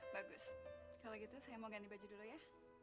bagus kalau gitu saya mau ganti baju dulu ya